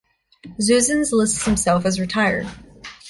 Zuzens lists himself as retired.